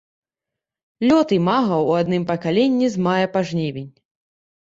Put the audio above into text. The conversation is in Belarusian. Лёт імага ў адным пакаленні з мая па жнівень.